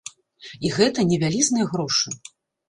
І гэта не вялізныя грошы!